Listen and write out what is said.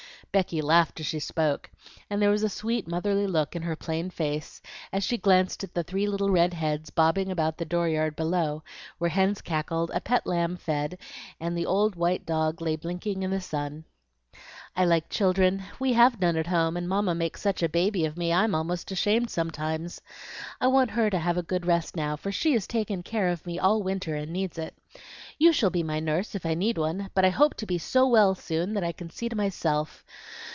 Becky laughed as she spoke, and there was a sweet motherly look in her plain face, as she glanced at the three little red heads bobbing about the door yard below, where hens cackled, a pet lamb fed, and the old white dog lay blinking in the sun. "I like children; we have none at home, and Mamma makes such a baby of me I'm almost ashamed sometimes. I want her to have a good rest now, for she has taken care of me all winter and needs it. You shall be my nurse, if I need one; but I hope to be so well soon that I can see to myself.